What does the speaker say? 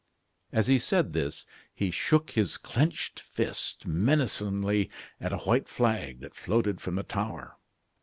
As he said this he shook his clinched fist menacingly at a white flag that floated from the tower.